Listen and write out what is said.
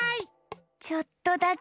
ちょっとだけ！